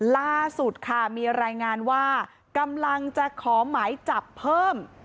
ล่าสุดค่ะมีรายงานว่ากำลังจะขอหมายจับเพิ่ม